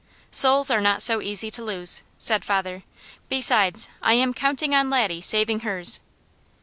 "Souls are not so easy to lose," said father. "Besides, I am counting on Laddie saving hers."